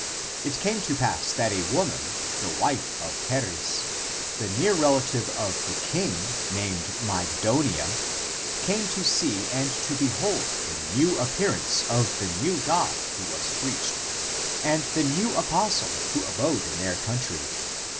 It came to pass that a woman, (the wife) of Charis, the near relative of the king, named Mygdonia, came to see and to behold the new ap pearance of the new God, who was preached, and the new apostle, who abode in their country.